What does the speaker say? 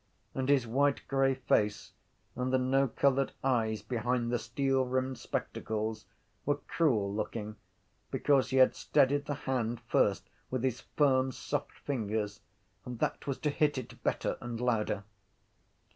And his whitegrey face and the no coloured eyes behind the steel rimmed spectacles were cruel looking because he had steadied the hand first with his firm soft fingers and that was to hit it better and louder.